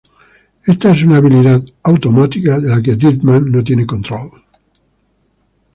Esta es una habilidad automática de la que Deadman no tiene control.